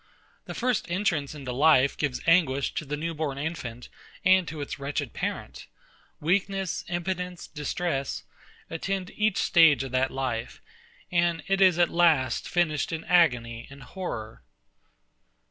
The first entrance into life gives anguish to the new born infant and to its wretched parent: Weakness, impotence, distress, attend each stage of that life: and it is at last finished in agony and horror.